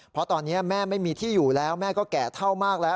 เพราะตอนนี้แม่ไม่มีที่อยู่แล้วแม่ก็แก่เท่ามากแล้ว